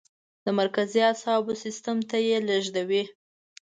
د مرکزي اعصابو سیستم ته یې لیږدوي.